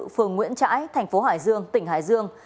phường nguyễn trãi thành phố hải dương tỉnh hải dương